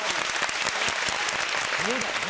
そうだよね。